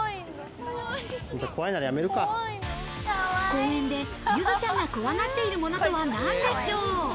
公園でゆずちゃんが怖がっているものとは何でしょう。